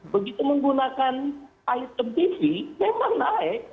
begitu menggunakan item tv memang naik